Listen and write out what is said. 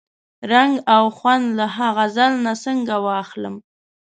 رنګ او خوند له ها غزل نه څنګه واخلم؟